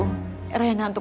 kamu akan tetap bersih